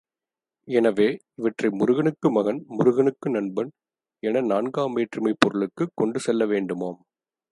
எனவே, இவற்றை முருகனுக்கு மகன், முருகனுக்கு நண்பன் என நான்காம் வேற்றுமைப் பொருளுக்குக் கொண்டு செல்ல வேண்டுமாம்.